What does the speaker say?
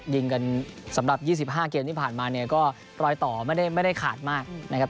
ยิงกันสำหรับ๒๕เกมที่ผ่านมาเนี่ยก็รอยต่อไม่ได้ขาดมากนะครับ